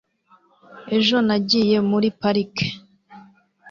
ejo nagiye muri parike